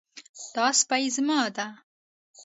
دا سپی زما ده